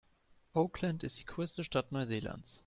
Auckland ist die größte Stadt Neuseelands.